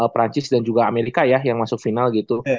perancis dan juga amerika ya yang masuk final gitu